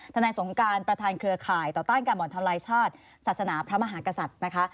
นายสงการประธานเครือข่ายต่อต้านการบ่อนทำลายชาติศาสนาพระมหากษัตริย์นะคะ